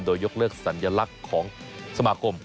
โดยยกเลิกสัญลักษณ์ของสมาคม